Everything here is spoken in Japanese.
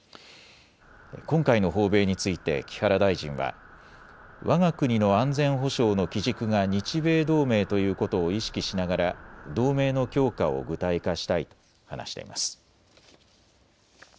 今回の訪米について木原大臣はわが国の安全保障の基軸が日米同盟ということを意識しながら同盟の強化を具体化したいと話しています。